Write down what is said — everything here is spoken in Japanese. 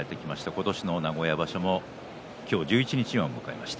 今年の名古屋場所も今日十一日目を迎えました。